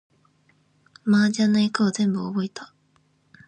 麻雀の役を全部覚えた